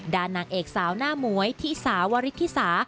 นางเอกสาวหน้าหมวยที่สาวริธิสา